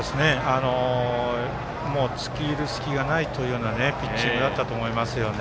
付け入る隙がないようなピッチングだったと思います。